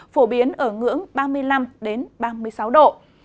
phổ biến ở ngưỡng ba mươi năm ba mươi sáu độ